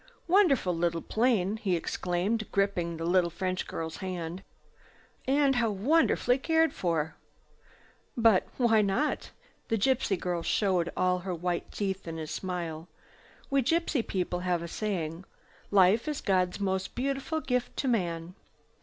"Wonderful little plane!" he exclaimed, gripping the little French girl's hand. "And how wonderfully cared for!" "But why not?" The girl showed all her white teeth in a smile. "We gypsy people have a saying, 'Life is God's most beautiful gift to man.